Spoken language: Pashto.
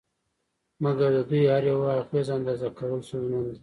مګر د دوی د هر یوه اغېز اندازه کول ستونزمن دي